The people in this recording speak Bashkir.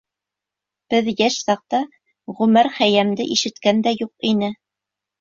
Беҙ йәш саҡта Ғүмәр Хәйәмде ишеткән дә юҡ ине.